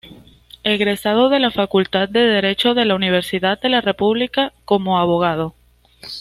Egresado de la Facultad de Derecho de la Universidad de la República como abogado.